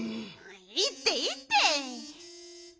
いいっていいって。